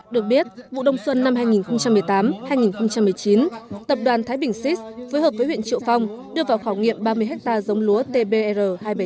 được biết vụ đông xuân năm hai nghìn một mươi tám hai nghìn một mươi chín tập đoàn thái bình sis phối hợp với huyện triệu phong đưa vào khảo nghiệm ba mươi hectare giống lúa tbr hai trăm bảy mươi chín